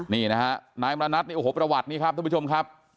นี่นะฮะนายมณัฐนี่โอ้โหประวัตินี้ครับท่านผู้ชมครับ